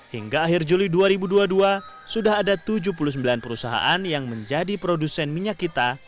hingga akhir juli dua ribu dua puluh dua sudah ada tujuh puluh sembilan perusahaan yang menjadi produsen minyak kita